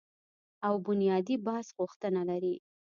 او بنیادي بحث غوښتنه لري